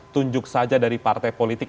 tunjuk saja dari partai politik